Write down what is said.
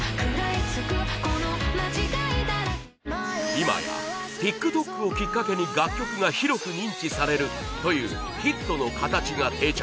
今やＴｉｋＴｏｋをきっかけに楽曲が広く認知されるというヒットの形が定着。